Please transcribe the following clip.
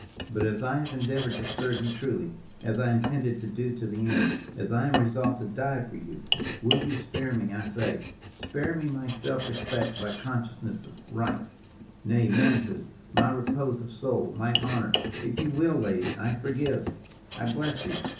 But as I have endeavoured to serve you truly, as I intend to do to the end as I am resolved to die for you will you spare me, I say? Spare me my self respect, my consciousness of right, nay manhood, my repose of soul, my honour. If you will, lady, I forgive, I bless you.